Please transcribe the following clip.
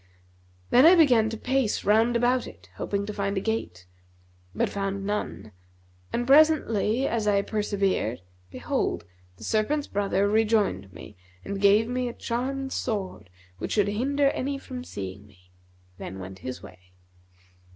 Then I began to pace round about it, hoping to find a gate, but found none; and presently as I persevered, behold, the serpent's brother rejoined me and gave me a charmed sword which should hinder any from seeing me,[FN#243] then went his way.